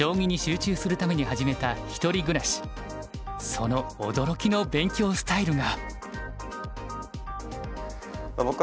その驚きの勉強スタイルが。